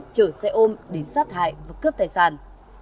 chở xe ôm đến sát hại và cướp tài sản